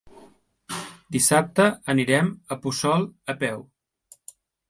Dissabte anirem a Puçol a peu.